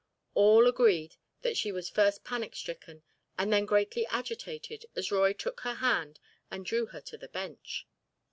All agreed that she was first panic stricken and then greatly agitated as Roy took her hand and drew her to the bench.